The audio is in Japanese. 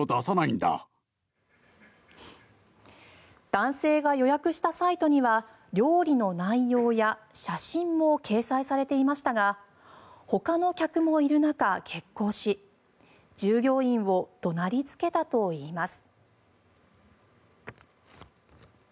男性が予約したサイトには料理の内容や写真も掲載されていましたがほかの客もいる中、激高し従業員を怒鳴りつけたといいます。